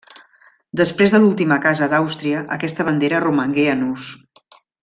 Després de l'última casa d'Àustria aquesta bandera romangué en ús.